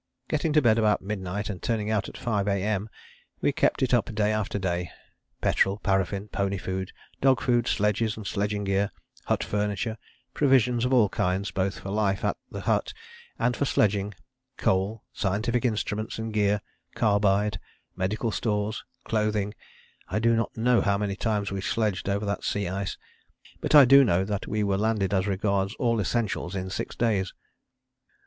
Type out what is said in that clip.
" Getting to bed about midnight and turning out at 5 A.M. we kept it up day after day. Petrol, paraffin, pony food, dog food, sledges and sledging gear, hut furniture, provisions of all kinds both for life at the hut and for sledging, coal, scientific instruments and gear, carbide, medical stores, clothing I do not know how many times we sledged over that sea ice, but I do know that we were landed as regards all essentials in six days.